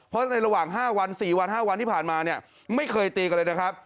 เพราะในระหว่าง๔๕วันที่ผ่านมาไม่เคยตีกันเลยนะครับ